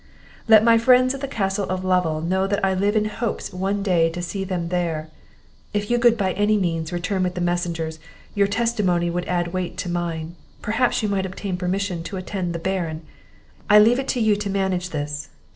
"Let my friends at the Castle of Lovel know that I live in hopes one day to see them there. If you could by any means return with the messengers, your testimony would add weight to mine; perhaps you might obtain permission to attend the Baron; I leave it to you to manage this.